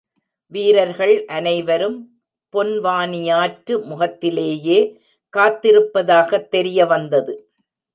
வீரர்கள் அனைவரும் பொன்வானியாற்று முகத்திலேயே காத்திருப்பதாகத் தெரிய வந்தது.